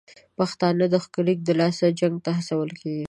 پښتانه د ښکېلاک دلاسه جنګ ته هڅول کېږي